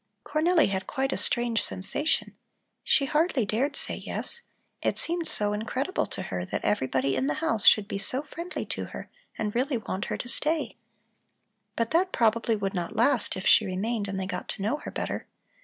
Cornelli had quite a strange sensation. She hardly dared to say yes; it seemed so incredible to her that everybody in the house should be so friendly to her and really want her to stay. But that probably would not last if she remained and they got to know her better.